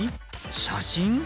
写真？